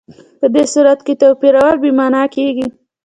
په دې صورت کې توپیرول بې معنا کېږي.